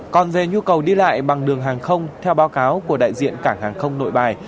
còn về nhu cầu đi lại bằng đường hàng không theo báo cáo của đại diện cảng hàng không nội bài